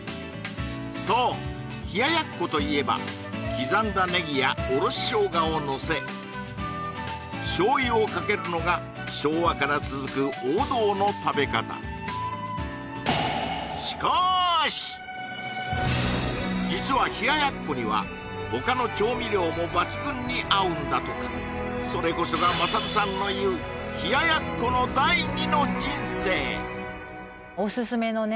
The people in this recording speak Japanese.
そう冷奴といえば刻んだネギやおろし生姜をのせ醤油をかけるのが昭和から続く王道の食べ方実は冷奴には他の調味料も抜群に合うんだとかそれこそがまさるさんの言うオススメのね